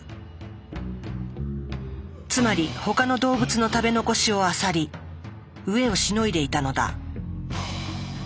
つまり他の動物の食べ残しをあさり飢えをしのいでいたのだ。